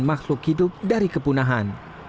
makhluk hidup dari kepunahan